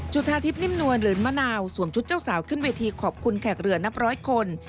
จุธาทิพย์นิ่มนวลหรือมะนาวสวมชุดเจ้าสาวขึ้นเวทีขอบคุณแขกเรือนับร้อยคน